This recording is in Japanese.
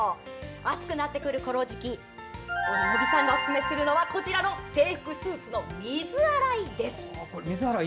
暑くなってくるこの時期茂木さんがおすすめするのは制服・スーツの水洗いです。